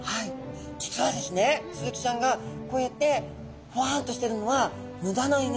実はですねスズキちゃんがこうやってホワンとしているのはへえ。